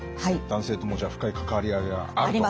男性ともじゃあ深い関わり合いがあると。